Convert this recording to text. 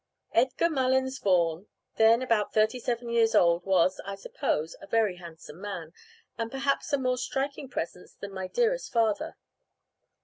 Edgar Malins Vaughan, then about thirty seven years old, was (I suppose) a very handsome man, and perhaps of a more striking presence than my dearest father.